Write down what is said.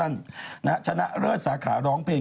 ชนะเลิศสาขาร้องเพลง